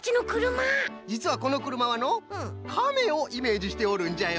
じつはこのくるまはのかめをイメージしておるんじゃよ。